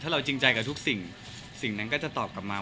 เราจริงใจกับทุกสิ่งสิ่งนั้นก็จะตอบกลับมา